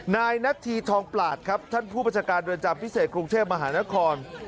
นายนัทธีทองปลาดครับท่านผู้ประชาการเรือนจำพิเศษกรุงเทพมหานคร